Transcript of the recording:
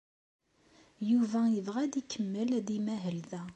Yuba yebɣa ad ikemmel ad imahel da.